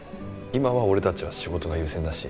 今は俺たちは仕事が優先だし。